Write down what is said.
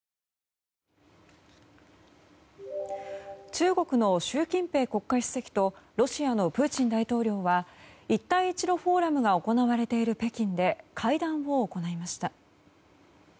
中国の習近平国家主席とロシアのプーチン大統領は一帯一路フォーラムが行われている北京で会談を行いました。